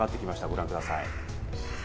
ご覧ください。